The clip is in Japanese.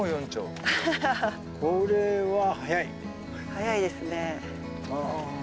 早いですね。